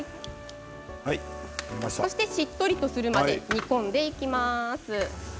そして、しっとりとするまで煮込んでいきます。